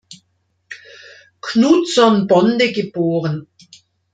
Knutsson Bonde geboren.